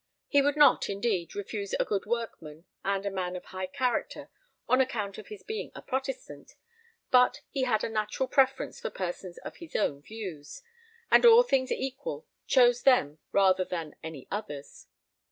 He would not, indeed, refuse a good workman and a man of high character on account of his being a Protestant, but he had a natural preference for persons of his own views, and all things equal, chose them rather than any others.